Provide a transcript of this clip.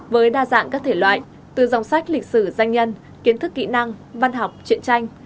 với đa dạng các thể loại từ dòng sách lịch sử danh nhân kiến thức kỹ năng văn học chuyện tranh